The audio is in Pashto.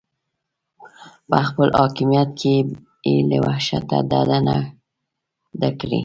په خپل حاکمیت کې یې له وحشته ډډه نه ده کړې.